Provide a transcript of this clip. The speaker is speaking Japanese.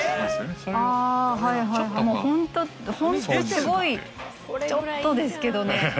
すごいちょっとですけどね。